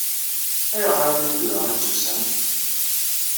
Ayɣer armi d tura i d-tusamt?